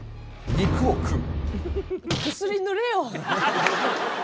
肉を食う？